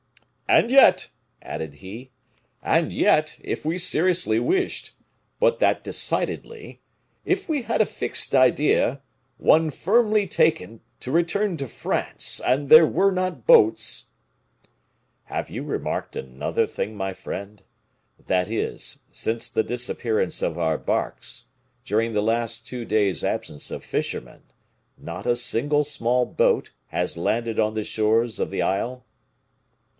And yet," added he, "and yet, if we seriously wished, but that decidedly if we had a fixed idea, one firmly taken, to return to France, and there were not boats " "Have you remarked another thing, my friend that is, since the disappearance of our barks, during the last two days' absence of fishermen, not a single small boat has landed on the shores of the isle?"